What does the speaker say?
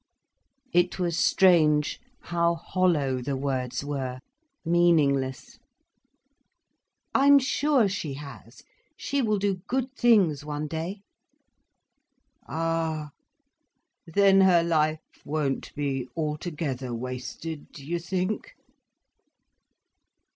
It was strange how hollow the words were, meaningless. "I'm sure she has. She will do good things one day." "Ah! Then her life won't be altogether wasted, you think?"